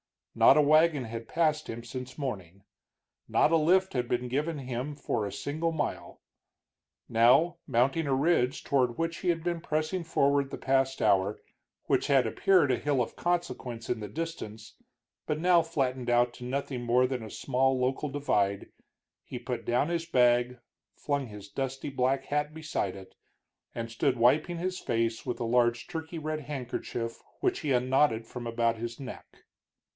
Not a wagon had passed him since morning, not a lift had been given him for a single mile. Now, mounting a ridge toward which he had been pressing forward the past hour, which had appeared a hill of consequence in the distance, but now flattened out to nothing more than a small local divide, he put down his bag, flung his dusty black hat beside it, and stood wiping his face with a large turkey red handkerchief which he unknotted from about his neck.